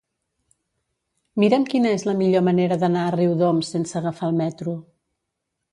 Mira'm quina és la millor manera d'anar a Riudoms sense agafar el metro.